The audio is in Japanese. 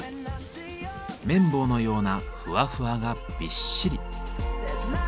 綿棒のようなふわふわがびっしり。